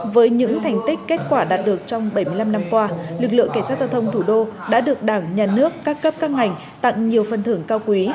với những thành tích kết quả đạt được trong bảy mươi năm năm qua lực lượng cảnh sát giao thông thủ đô đã được đảng nhà nước các cấp các ngành tặng nhiều phần thưởng cao quý